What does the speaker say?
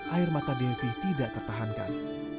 air mata devi tidak tertahankan